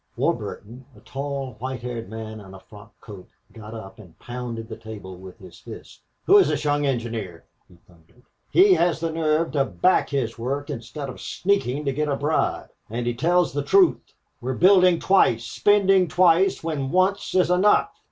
Warburton, a tall, white haired man in a frock coat, got up and pounded the table with his fist. "Who is this young engineer?" he thundered. "He has the nerve to back his work instead of sneaking to get a bribe. And he tells the truth. We're building twice spending twice when once is enough!"